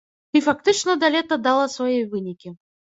І фактычна да лета дала свае вынікі.